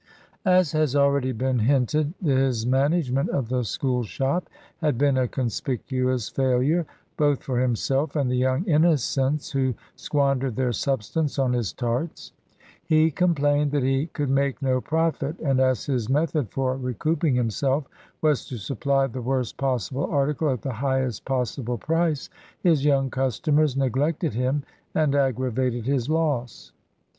As has already been hinted, his management of the School shop had been a conspicuous failure both for himself and the young innocents who squandered their substance on his tarts. He complained that he could make no profit; and as his method for recouping himself was to supply the worst possible article at the highest possible price, his young customers neglected him and aggravated his loss.